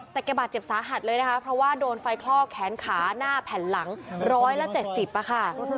แต่แกบาดเจ็บสาหัสเลยนะคะเพราะว่าโดนไฟคลอกแขนขาหน้าแผ่นหลัง๑๗๐ค่ะ